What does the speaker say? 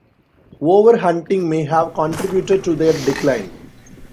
Over-hunting may have contributed to their decline.